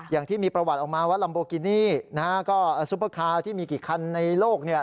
อย่างที่มีประวัติออกมาว่าลัมโบกินี่นะฮะก็ซุปเปอร์คาร์ที่มีกี่คันในโลกเนี่ย